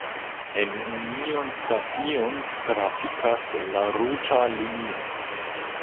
En Union Station trafikas la ruĝa linio.